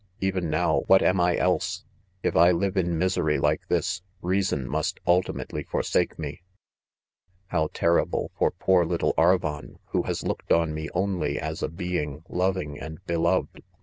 — even now, what am I elsel ■ If l 'live in misery like. this, rea son must ultimately forsake me. How terri ble "for poor little Arvon, who has looked on me only as a being loving and beloved